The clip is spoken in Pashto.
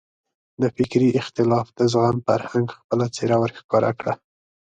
د فکري اختلاف د زغم فرهنګ خپله څېره وښکاره کړه.